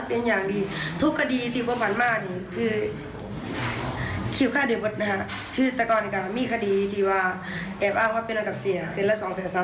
เพราะว่าที่มากอันนี้คือ